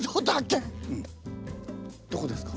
どこですか？